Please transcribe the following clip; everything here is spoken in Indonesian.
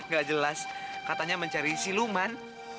gak jelas katanya mencari siluman